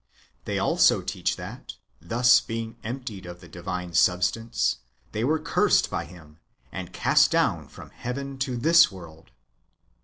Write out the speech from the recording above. They also teach that, thus being emptied of the divine substance, they were cursed by him, and cast down from heaven to this world.